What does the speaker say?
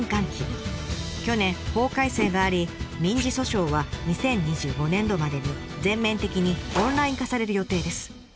去年法改正があり民事訴訟は２０２５年度までに全面的にオンライン化される予定です。